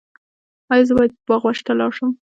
ایا زه باید باغ وحش ته لاړ شم؟